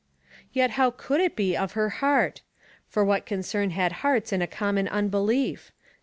Yet how could it be of her heart? for what concern had hearts in a common unbelief?